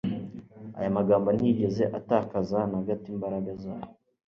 aya magambo ntiyigeze atakaza na gato imbaraga zayo